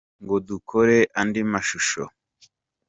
ngo dukore andi mashusho